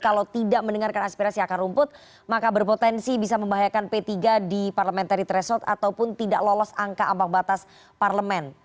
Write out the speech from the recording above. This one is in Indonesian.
kalau tidak mendengarkan aspirasi akar rumput maka berpotensi bisa membahayakan p tiga di parliamentary threshold ataupun tidak lolos angka ambang batas parlemen